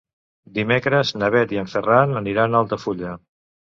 Dimecres na Bet i en Ferran aniran a Altafulla.